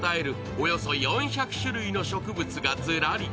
およそ４００種類の植物がずらり。